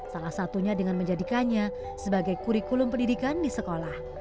salah satunya dengan menjadikannya sebagai kurikulum pendidikan di sekolah